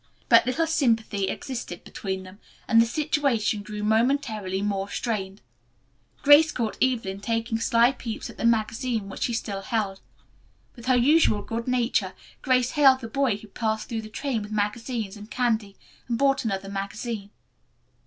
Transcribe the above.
But little sympathy existed between them, and the situation grew momentarily more strained. Grace caught Evelyn taking sly peeps at the magazine which she still held. With her usual good nature, Grace hailed the boy who passed through the train with magazines and candy and bought another magazine.